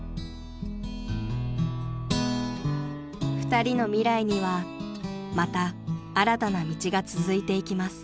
［２人の未来にはまた新たな道が続いていきます］